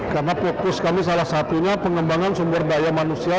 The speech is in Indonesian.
karena fokus kami salah satunya pengembangan sumber daya manusia